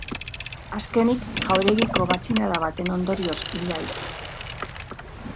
Azkenik, jauregiko matxinada baten ondorioz hila izan zen.